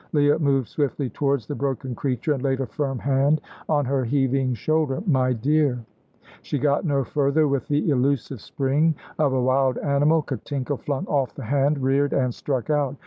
Leah moved swiftly towards the broken creature, and laid a firm hand on her heaving shoulder. "My dear " She got no further. With the elusive spring of a wild animal Katinka flung off the hand, reared, and struck out.